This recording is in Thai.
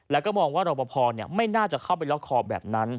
แล้วก็มองว่ารอปภไม่น่าจะเข้าไปล็อกคอแบบนั้น